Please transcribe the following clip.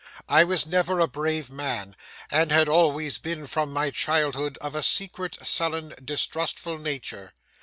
I was never a brave man, and had always been from my childhood of a secret, sullen, distrustful nature.